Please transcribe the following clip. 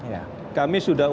ya kami sudah